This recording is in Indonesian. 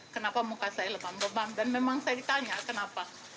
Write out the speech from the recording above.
kenapa muka saya lemam lebam dan memang saya ditanya kenapa